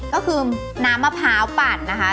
ก็คือน้ำมะพร้าวปั่นนะคะ